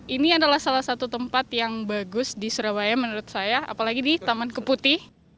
ini adalah salah satu tempat yang bagus di surabaya menurut saya apalagi di taman keputi